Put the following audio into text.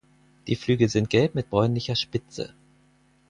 Die Flügel sind gelb mit bräunlicher Spitze.